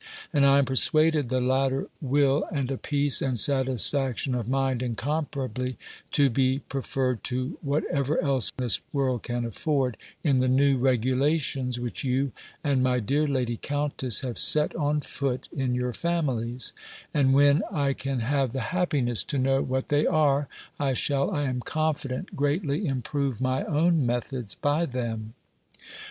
And I am persuaded the latter will, and a peace and satisfaction of mind incomparably to be preferred to whatever else this world can afford, in the new regulations, which you, and my dear lady countess, have set on foot in your families: and when I can have the happiness to know what they are, I shall, I am confident, greatly improve my own methods by them.